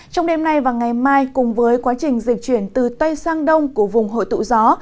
trong đêm nay và ngày mai cùng với quá trình dịch chuyển từ tây sang đông của vùng hội tụ gió